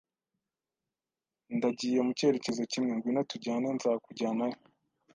Ndagiye mu cyerekezo kimwe. Ngwino tujyane. Nzakujyanayo.